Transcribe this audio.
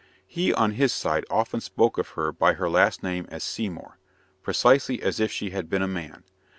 He, on his side, often spoke of her by her last name as "Seymour," precisely as if she had been a man.